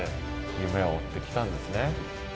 夢を追ってきたんですね。